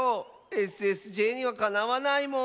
ＳＳＪにはかなわないもん。